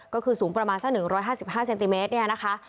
ก็คือสูงประมาณสัก๑๕๕เซนติเมตรเนี่ยนะคะ